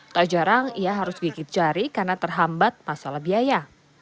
tak jarang ia harus gigit jari karena terhambat masalah biaya